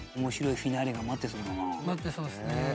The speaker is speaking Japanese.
待ってそうですね。